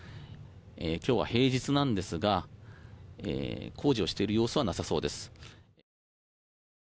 今日は平日なんですが、工事をしている様子はなさそうです。